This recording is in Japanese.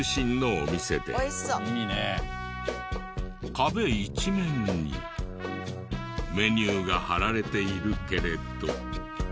壁一面にメニューが貼られているけれど。